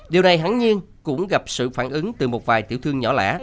điều này hắn nhiên cũng gặp sự phản ứng từ một vài tiểu thương nhỏ lẻ